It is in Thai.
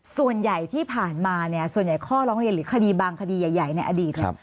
ส่วนใหญ่ที่ผ่านมาเนี่ยส่วนใหญ่ข้อร้องเรียนหรือคดีบางคดีใหญ่ในอดีตเนี่ย